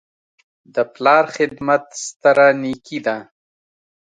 د پلار خدمت ستره نیکي ده.